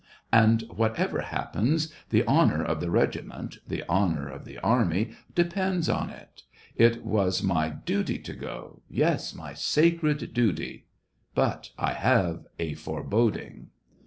And, whatever happens, the honor of the regiment, the honor of the army, depends on it. It was my duty to go ... yes, my sacred duty. But I have a foreboding."